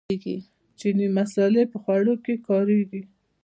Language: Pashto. چیني مسالې په خوړو کې کاریږي.